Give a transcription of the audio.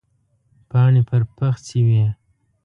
پاڼې پر پخڅې وې.